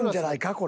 これ。